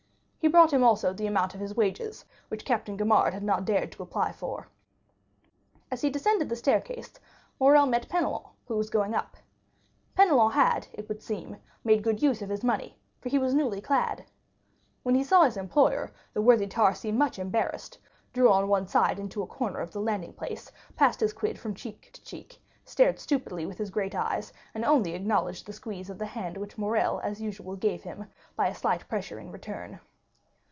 He brought him also the amount of his wages, which Captain Gaumard had not dared to apply for. As he descended the staircase, Morrel met Penelon, who was going up. Penelon had, it would seem, made good use of his money, for he was newly clad. When he saw his employer, the worthy tar seemed much embarrassed, drew on one side into the corner of the landing place, passed his quid from one cheek to the other, stared stupidly with his great eyes, and only acknowledged the squeeze of the hand which Morrel as usual gave him by a slight pressure in return.